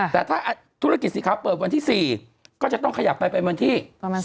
แต่ถ้าธุรกิจสีขาวเปิดวันที่๔ก็จะต้องขยับไปเป็นวันที่ประมาณ